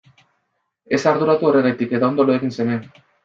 Ez arduratu horregatik eta ondo lo egin seme.